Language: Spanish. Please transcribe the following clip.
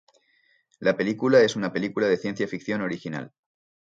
La película es una película de ciencia ficción original.